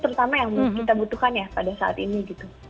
terutama yang kita butuhkan ya pada saat ini gitu